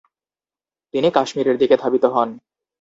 তিনি কাশ্মীরের দিকে ধাবিত হন।